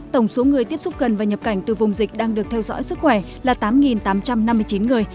tổng số người tiếp xúc gần và nhập cảnh từ vùng dịch đang được theo dõi sức khỏe là tám tám trăm năm mươi chín người